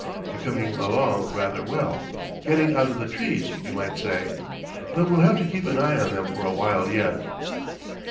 They're coming along rather well, getting out of the trees, you might say; but we'll have to keep an eye on them for awhile yet."